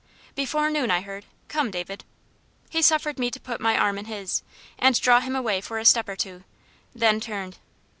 "Before noon, I heard. Come, David." He suffered me to put my arm in his, and draw him away for a step or two, then turned.